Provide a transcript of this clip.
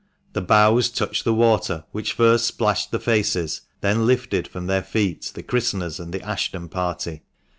The bows touched the water, which first splashed the faces, then lifted from their feet the christeners and the Ashton party.